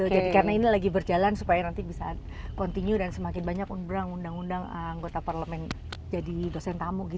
jadi karena ini lagi berjalan supaya nanti bisa continue dan semakin banyak undang undang anggota parlemen jadi dosen tamu gitu